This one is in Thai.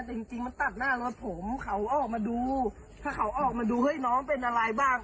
แต่จริงจริงมันตัดหน้ารถผมเขาออกมาดูถ้าเขาออกมาดูเฮ้ยน้องเป็นอะไรบ้าง